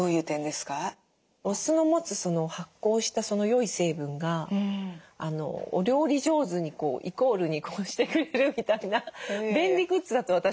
お酢の持つ発酵した良い成分がお料理上手にこうイコールにこうしてくれるみたいな便利グッズだと私は思っていて。